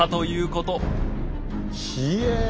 ひえ！